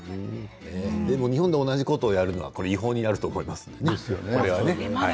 日本で同じことをやるのは違法になると思います。